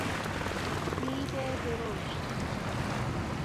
سیب درشت